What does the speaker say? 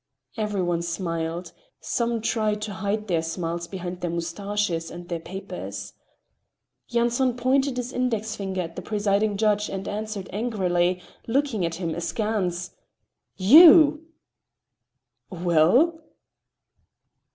Every one smiled; some tried to hide their smiles behind their mustaches and their papers. Yanson pointed his index finger at the presiding judge and answered angrily, looking at him askance: "You!" "Well?"